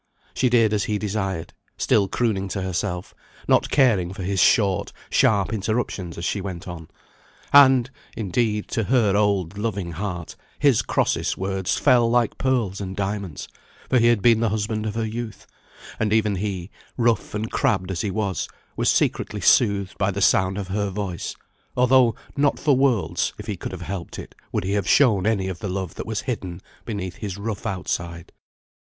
She did as he desired, still crooning to herself, not caring for his short, sharp interruptions as she went on; and, indeed, to her old, loving heart, his crossest words fell like pearls and diamonds, for he had been the husband of her youth; and even he, rough and crabbed as he was, was secretly soothed by the sound of her voice, although not for worlds, if he could have helped it, would he have shown any of the love that was hidden beneath his rough outside.